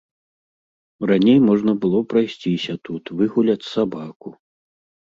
Раней можна было прайсціся тут, выгуляць сабаку.